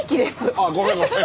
あっごめんごめん。